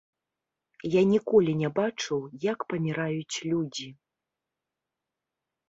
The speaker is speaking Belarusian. Я ніколі не бачыў, як паміраюць людзі.